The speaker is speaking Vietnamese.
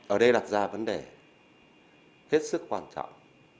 ở đây đặt ra vấn đề hết sức quan trọng